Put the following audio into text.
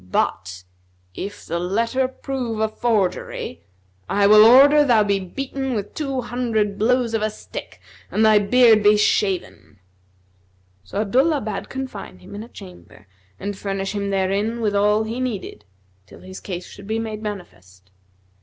But, if the letter prove a forgery, I will order thou be beaten with two hundred blows of a stick and thy beard be shaven." So Abdullah bade confine him in a chamber and furnish him therein with all he needed, till his case should be made manifest.